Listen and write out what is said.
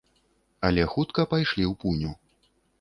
Але хутка пайшлі ў пуню.